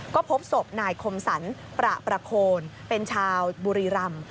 ก็พบศพนายคมสรรประประโคนเป็นชาวบุรีรำ